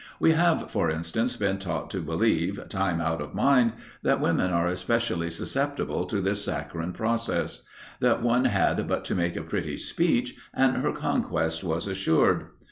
We have, for instance, been taught to believe, time out of mind, that women are especially susceptible to this saccharine process; that one had but to make a pretty speech, and her conquest was assured.